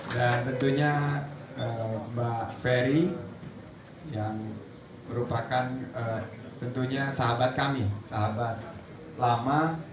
dan tentunya mbak ferry yang merupakan tentunya sahabat kami sahabat lama